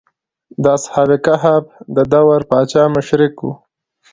د اصحاب کهف د دور پاچا مشرک و.